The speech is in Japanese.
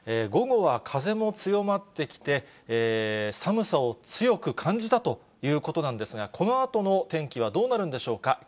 午後は風も強まってきて、寒さを強く感じたということなんですが、このあとの天気はどうなるんでしょうか。